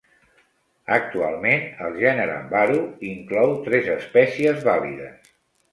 Actualment, el gènere "Baru" inclou tres espècies vàlides.